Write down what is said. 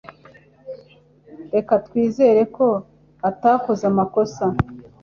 Reka twizere ko atakoze amakosa